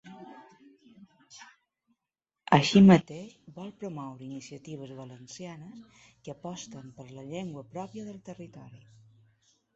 Així mateix, vol promoure iniciatives valencianes que aposten per la llengua pròpia del territori.